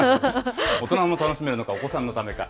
大人も楽しめるのか、お子さんのためか。